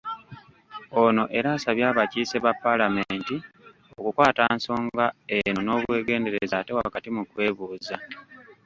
Ono era asabye abakiise ba Paalamenti okukwata nsonga eno n'obwegendereza ate wakati mu kwebuuza.